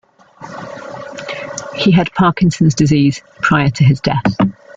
He had Parkinson's disease prior to his death.